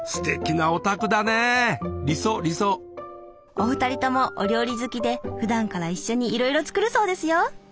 お二人ともお料理好きでふだんから一緒にいろいろ作るそうですよ。